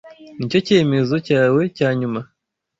Nicyo cyemezo cyawe cya nyuma?